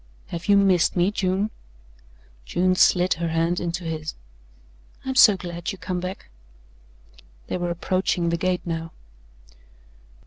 "Have you missed me, June?" June slid her hand into his. "I'm so glad you come back." They were approaching the gate now.